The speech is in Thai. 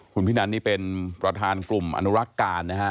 คุณพินันนี่เป็นประธานกลุ่มอนุรักษ์การนะฮะ